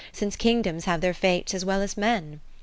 Since Kingdoms have their Fates as well as men